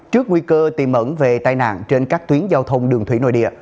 trước nguy cơ tìm ẩn về tai nạn trên các tuyến giao thông đường thủy nội địa